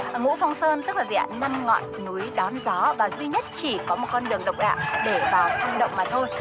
ngũ phong sơn tức là diện năm ngọn núi đón gió và duy nhất chỉ có một con đường độc đạo để vào trong động mà thôi